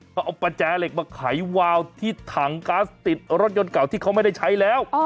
เขาเอาประแจเหล็กมาไขวาวที่ถังก๊าซติดรถยนต์เก่าที่เขาไม่ได้ใช้แล้ว